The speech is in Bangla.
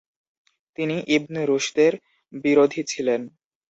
তিনি ইবন রুশদের বিরোধী ছিলেন।